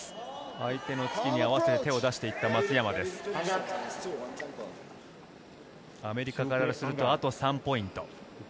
相手の突きに合わせて手を出アメリカからすると、あと３ポイント。